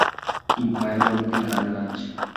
কী ভয়ানক দিক আন্দাজ।